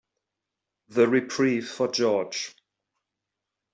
The reprieve for George.